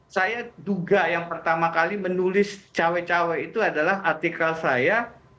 saya duga yang pertama kali menulis cawe cawe itu adalah artikel saya